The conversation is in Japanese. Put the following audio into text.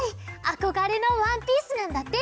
あこがれのワンピースなんだって！